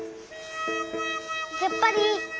やっぱりいい！